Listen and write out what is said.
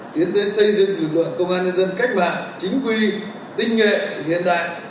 tiến tới xây dựng lực lượng công an nhân dân cách mạng chính quy tinh nhuệ hiện đại